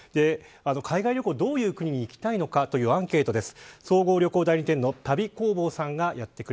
海外旅行、どういう国に行きたいのかというアンケートです。